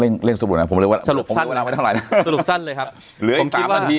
เล่นเล่นผมเรียกว่าสรุปสั้นสรุปสั้นเลยครับเหลืออีกสามนาที